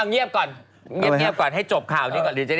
เอาอ่ะเงียบก่อนให้จบข่าวนี้ก่อน